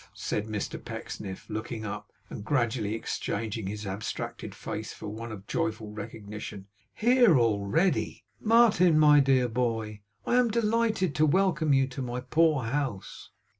said Mr Pecksniff, looking up, and gradually exchanging his abstracted face for one of joyful recognition. 'Here already! Martin, my dear boy, I am delighted to welcome you to my poor house!